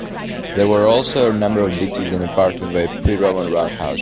There were also a number of ditches and part of a Pre-Roman roundhouse.